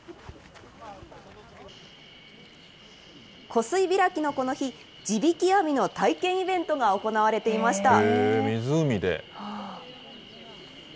湖水開きのこの日、地引き網の体験イベントが行われていました。